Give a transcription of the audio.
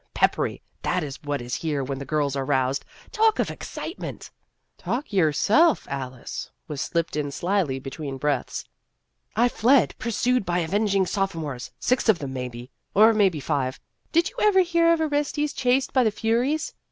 Peppery that is what it is here when the girls are roused. Talk of excitement !"" Talk yourself, Alice," was slipped in slyly between breaths. u I fled, pursued by avenging sopho mores six of them, maybe. Or maybe, five. Did you ever hear of Orestes chased by the Furies?